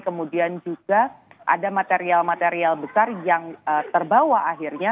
kemudian juga ada material material besar yang terbawa akhirnya